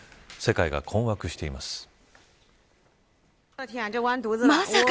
世界が困惑しています。